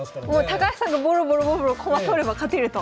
高橋さんがボロボロボロボロ駒取れば勝てると。